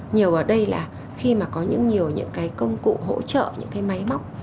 nhiều ở đây là khi mà có những nhiều những cái công cụ hỗ trợ những cái máy móc